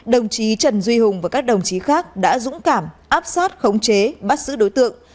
đồng chí trần duy hùng và các đồng chí khác đã dũng cảm áp sát khống chế bắt giữ đối tượng